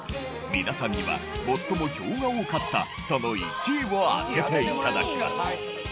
皆さんには最も票が多かったその１位を当てていただきます。